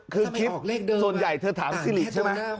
คือคลิปส่วนใหญ่เธอถามซิริใช่ไหม